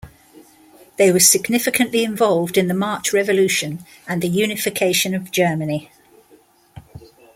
They were significantly involved in the March Revolution and the unification of Germany.